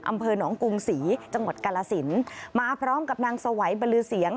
อำเภอหนองกรุงศรีจังหวัดกาลสินมาพร้อมกับนางสวัยบรือเสียง